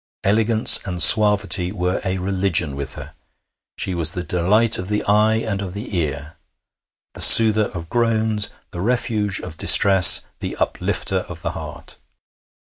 Elegance and suavity were a religion with her. She was the delight of the eye and of the ear, the soother of groans, the refuge of distress, the uplifter of the heart.